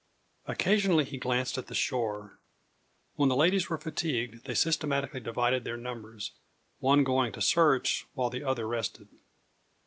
Occasionally he glanced at the shore. When the ladies were fatigued, they systematically divided their number one going to search, whilst the other rested.